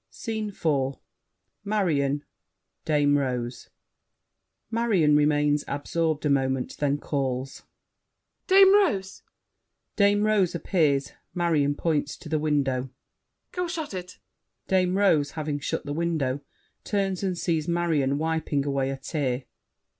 SCENE IV Marion, Dame Rose MARION (remains absorbed a moment, then calls). Dame Rose! [Dame Rose appears. Marion points to the window. Go shut it! [Dame Rose, having shut the window, turns and sees Marion wiping away a tear.